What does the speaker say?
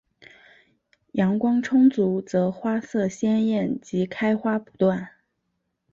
阳光充足则花色鲜艳及开花不断。